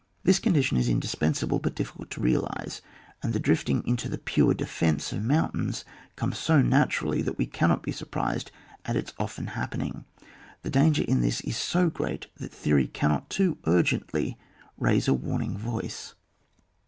This condition is indispens able, but difficult to realise; and the drifting into the pure defence of moun tains comes so naturally, that we cannot be surprised at its often happening ; the danger in this is so great that theory cannot too urgently raise a warning; voice.